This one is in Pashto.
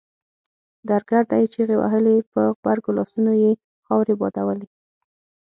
درګرده يې چيغې وهلې په غبرګو لاسونو يې خاورې بادولې.